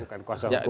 bukan kuasa hukum